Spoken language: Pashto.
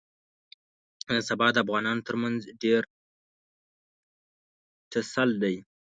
نن سبا د افغانانو ترمنځ ډېر ټسل دی.